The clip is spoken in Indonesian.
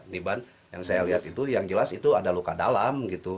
di ban yang saya lihat itu yang jelas itu ada luka dalam gitu